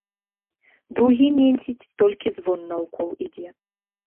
Другі менціць, толькі звон наўкол ідзе.